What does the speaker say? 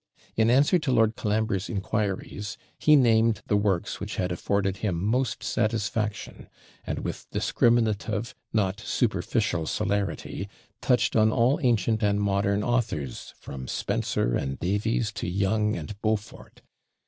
In answer to Lord Colambre's inquiries, he named the works which had afforded him most satisfaction; and with discriminative, not superficial celerity, touched on all ancient and modern authors, from Spenser and Davies to Young and Beaufort.